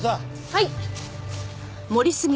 はい！